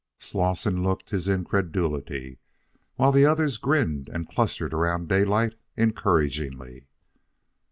Slosson looked his incredulity, while the others grinned and clustered around Daylight encouragingly.